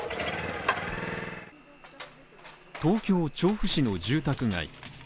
東京調布市の住宅街。